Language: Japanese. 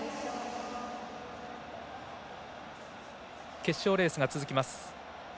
決勝レースが続きます。